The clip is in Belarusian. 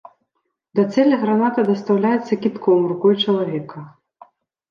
Да цэлі граната дастаўляецца кідком рукой чалавека.